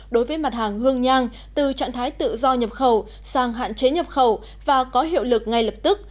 đối với mặt hàng hương nhang từ trạng thái tự do nhập khẩu sang hạn chế nhập khẩu và có hiệu lực ngay lập tức